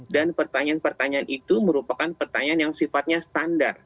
dan pertanyaan pertanyaan itu merupakan pertanyaan yang sifatnya standar